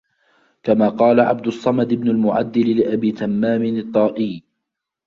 كَمَا قَالَ عَبْدُ الصَّمَدِ بْنُ الْمُعَدَّلِ لِأَبِي تَمَّامٍ الطَّائِيِّ